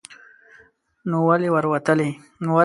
نو ولې ور وتلې